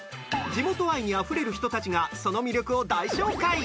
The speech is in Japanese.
地元愛にあふれる人たちがその魅力を大紹介。